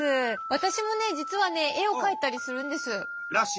私もね実はね絵を描いたりするんです。らしいね。